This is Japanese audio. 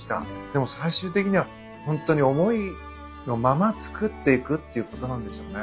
でも最終的にはホントに思いのまま作っていくっていうことなんでしょうね。